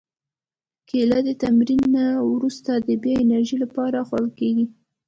کېله د تمرین نه وروسته د بیا انرژي لپاره خوړل کېږي.